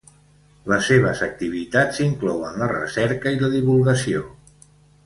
Les seves activitats inclouen la recerca i la divulgació.